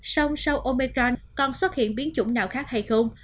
sông sau omicron còn xuất hiện biến chủng nào khác hay không